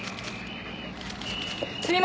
すみません